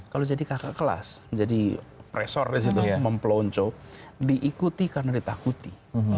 kalau jadi kakak kelas jadi presor di situ mempelonco diikuti karena ditakuti